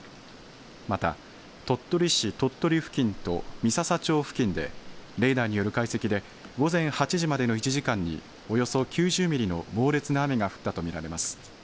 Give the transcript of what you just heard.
また鳥取市鳥取付近と三朝町付近でレーダーによる解析で午前８時までの１時間におよそ９０ミリの猛烈な雨が降ったと見られます。